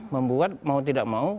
membuat mau tidak mau